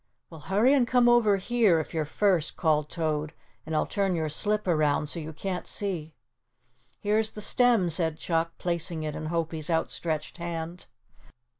"Well, hurry and come over here, if you're first," called Toad, "and I'll turn your slip around so you can't see." "Here's the stem," said Chuck, placing it in Hopie's outstretched hand.